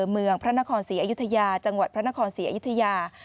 เมืองพระนครศรีอยุธยาจังหวัดพระนครศรีอยุธยา